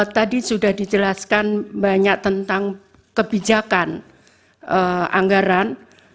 tadi sudah dijelaskan banyak tentang kebijakan anggaran